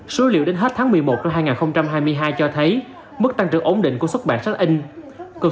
số liệu đến hết tháng một mươi một hai nghìn hai mươi hai cho thấy mức tăng trưởng ổn định của xuất bản sách in cuộc